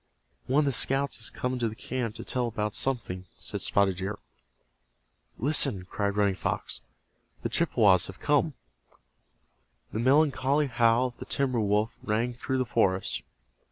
"One of the scouts has come into the camp to tell about something," said Spotted Deer. "Listen!" cried Running Fox. "The Chippewas have come." The melancholy howl of the timber wolf rang through the forest.